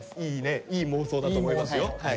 いいねいい妄想だと思いますよ。